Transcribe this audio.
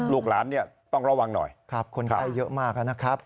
ลูกหลานเนี้ยต้องระวังหน่อยครับคนใกล้เยอะมากแล้วนะครับ